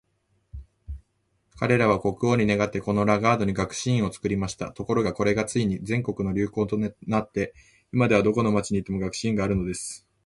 彼等は国王に願って、このラガードに学士院を作りました。ところが、これがついに全国の流行となって、今では、どこの町に行っても学士院があるのです。